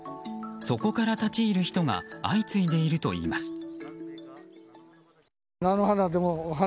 そこから立ち入る人が相次いでいるといいます。